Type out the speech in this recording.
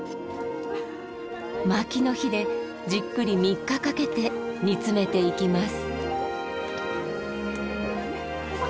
薪の火でじっくり３日かけて煮詰めていきます。